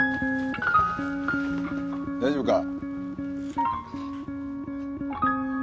大丈夫か？